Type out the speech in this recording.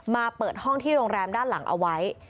มาเปิดห้องที่โรงแรมด้านหลังเอาไว้